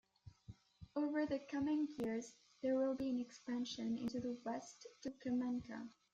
Over the coming years, there will be an expansion into the west to Kamenka.